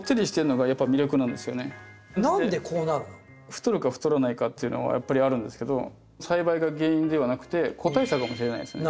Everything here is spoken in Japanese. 太るか太らないかっていうのはやっぱりあるんですけど栽培が原因ではなくて個体差かもしれないですね。